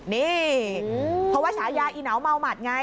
นี่เพราะว่าฉายาอีเหนาเมาหมัดไง